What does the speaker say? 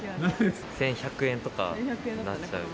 １１００円とかなっちゃう。